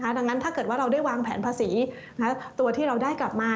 ดังนั้นถ้าเกิดว่าเราได้วางแผนภาษีตัวที่เราได้กลับมา